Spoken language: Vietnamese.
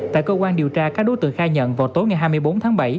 tại cơ quan điều tra các đối tượng khai nhận vào tối ngày hai mươi bốn tháng bảy